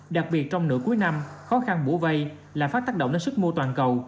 đặc biệt trong nửa cuối năm khó khăn bổ vây lạm phát tác động đến sức mua toàn cầu